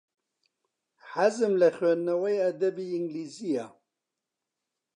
حەزم لە خوێندنەوەی ئەدەبی ئینگلیزییە.